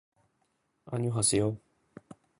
あにょはせよ